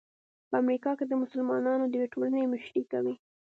په امریکا کې د مسلمانانو د یوې ټولنې مشري کوي.